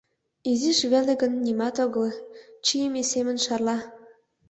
Изиш веле гын, нимат огыл, чийыме семын шарла.